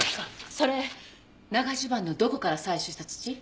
それ長襦袢のどこから採取した土？